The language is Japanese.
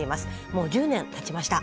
もう１０年たちました。